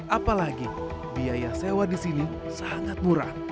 apalagi biaya sewa di sini sangat murah